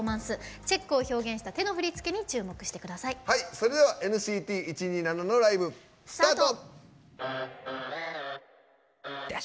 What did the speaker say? それではＮＣＴ１２７のライブ、スタート。